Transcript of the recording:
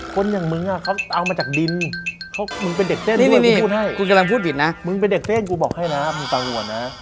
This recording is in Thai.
กูกำลังพูดผิดนะ